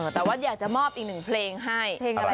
แต่ว่าอยากจะมอบอีกหนึ่งเพลงให้